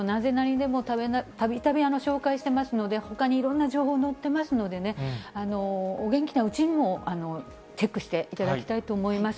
でもたびたび紹介していますので、ほかにいろんな情報載ってますのでね、お元気なうちにもう、チェックしていただきたいと思います。